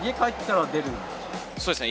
そうですね。